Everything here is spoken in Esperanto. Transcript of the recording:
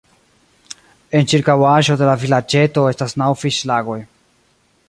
En ĉirkaŭaĵo de la vilaĝeto estas naŭ fiŝlagoj.